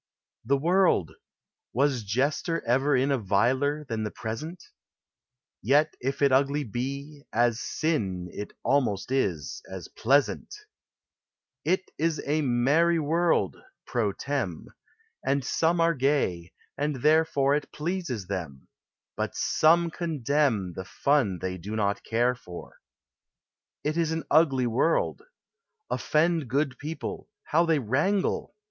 ] The World ! Was jester ever in A viler than the present ? Yet if it ugly be — as sin, It almost is — as pleasant ! It is a merry world {pro tern.) ; And some are gay, and therefore It pleases them — but some condemn The fun they do not care for. It is an ugly world. Offend Good people — how they wrangle